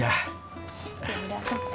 ya udah pak